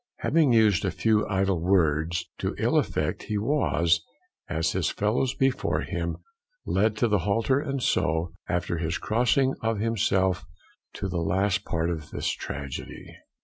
Having used a few idle words to ill effect, he was, as his fellows before him, led to the halter; and so, after his crossing of himself, to the last part of his tragedy.